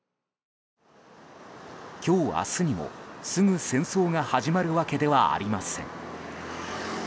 今日明日にも、すぐ戦争が始まるわけではありません。